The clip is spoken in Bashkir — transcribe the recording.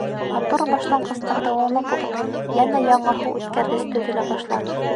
Матур башланғыстың дауамы булып, йәнә яңы һыу үткәргес төҙөлә башланы.